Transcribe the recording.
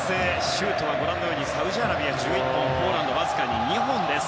シュートはサウジアラビアが１１本ポーランドはわずかに２本です。